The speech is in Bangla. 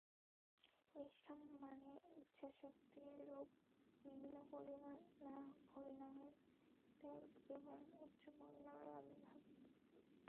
নিষ্কাম মানে ইচ্ছাশক্তিরূপ নিম্ন পরিণামের ত্যাগ এবং উচ্চ পরিণামের আবির্ভাব।